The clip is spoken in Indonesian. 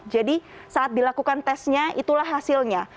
jadi saat dilakukan tesnya itulah hasilnya